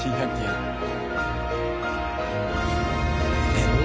えっ？